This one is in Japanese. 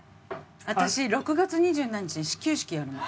私６月二十何日に始球式やるの。